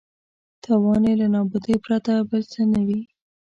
تاوان یې له نابودۍ پرته بل څه نه وي.